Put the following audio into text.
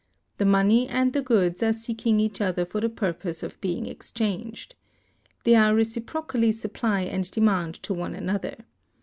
The money and the goods are seeking each other for the purpose of being exchanged. They are reciprocally supply and demand to one another.